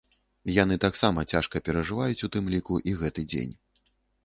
Яны таксама цяжка перажываюць у тым ліку і гэты дзень.